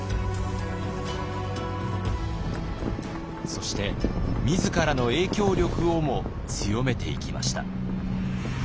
そして自らの影響力をも強めていきました。